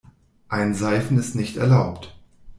Einseifen ist nicht erlaubt.